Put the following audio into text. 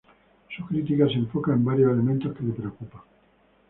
Su crítica se enfoca en varios elementos que le preocupan.